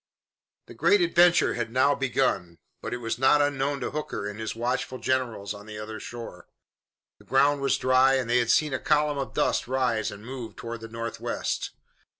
The great adventure had now begun, but it was not unknown to Hooker and his watchful generals on the other shore. The ground was dry and they had seen a column of dust rise and move toward the northwest.